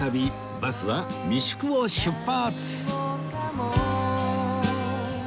バスは三宿を出発！